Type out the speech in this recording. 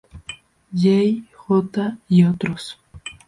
Jay, J y otros.